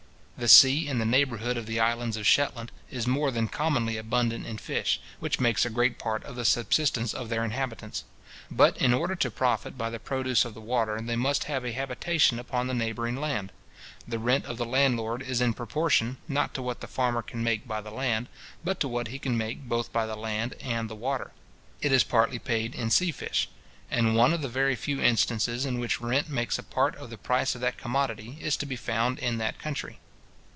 The sea in the neighbourhood of the islands of Shetland is more than commonly abundant in fish, which makes a great part of the subsistence of their inhabitants. But, in order to profit by the produce of the water, they must have a habitation upon the neighbouring land. The rent of the landlord is in proportion, not to what the farmer can make by the land, but to what he can make both by the land and the water. It is partly paid in sea fish; and one of the very few instances in which rent makes a part of the price of that commodity, is to be found in that country.